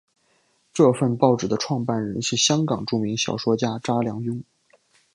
这份报纸的创办人是香港著名小说家查良镛。